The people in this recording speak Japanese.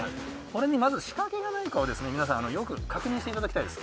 これにまず、仕掛けがないか皆さんよーく確認してください。